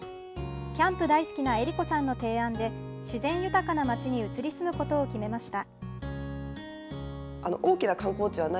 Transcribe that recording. キャンプ大好きな江梨子さんの提案で自然豊かな町に移り住むことを決めました。